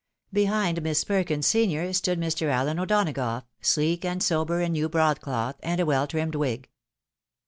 Beliind Miss Perkins, senior, stood Mr. AUen O'Donagough, sleek and sober in new broad cloth, and a weU trimmed wig.